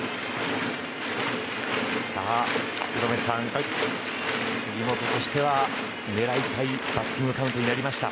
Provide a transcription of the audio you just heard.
さあ、福留さん杉本としては狙いたいバッティングカウントなりました。